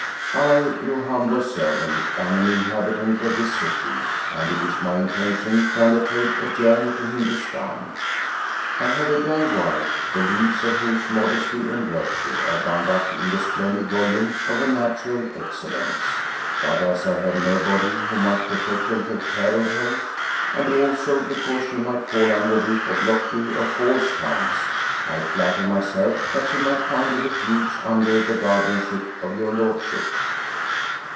I, your hum ble servant, am an inhabitant of this city, and it is my intention to undertake a journey to Hindustan; I have a young wife, the leaves of whose modesty and virtue are bound up in the splendid volume of her natural excellence; but as I have nobody who might protect and take care of her, and also because she might fall under the obloquy of false tongues, I flatter myself that she might find a ref uge under the guardianship of your lordship."